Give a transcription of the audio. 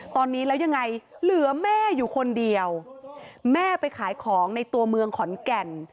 ตอนนี้แล้วยังไงเหลือแม่อยู่คนเดียวแม่ไปขายของในตัวเมืองขอนแก่น